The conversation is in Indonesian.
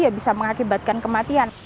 ya bisa mengakibatkan kematian